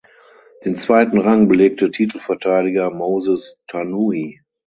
Den zweiten Rang belegte Titelverteidiger Moses Tanui.